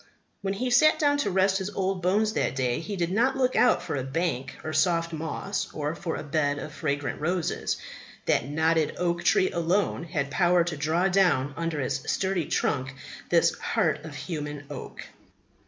When he sat down to rest his old bones that day he did not look out for a bank of soft moss or for a bed of fragrant roses; that knotted oak tree alone had power to draw down under its sturdy trunk this heart of human oak.